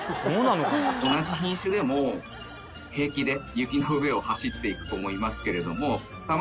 同じ品種でも平気で雪の上を走っていく子もいますけれども。